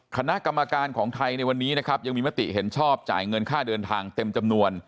คณะกรรมการของไทยในวันนี้นะครับยังมีมติเห็นชอบจ่ายเงินค่าเดินทางเต็มจำนวน